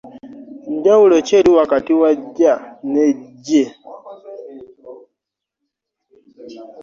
Njawulo ki eri wakati jj ne gye ?